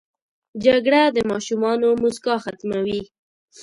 جګړه د ماشومانو موسکا ختموي